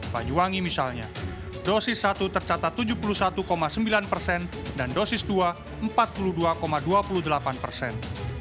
banyuwangi misalnya dosis satu tercatat tujuh puluh satu sembilan persen dan dosis dua empat puluh dua dua puluh delapan persen